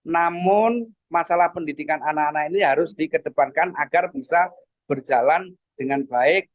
namun masalah pendidikan anak anak ini harus dikedepankan agar bisa berjalan dengan baik